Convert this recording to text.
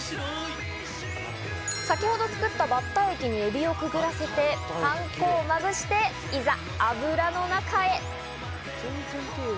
先ほど作ったバッター液にエビをくぐらせて、パン粉をまぶして、いざ油の中へ。